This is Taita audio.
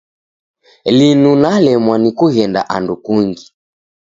Linu nalemwa ni kughenda andu kungi.